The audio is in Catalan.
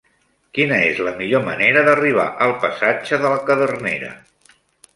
Quina és la millor manera d'arribar al passatge de la Cadernera?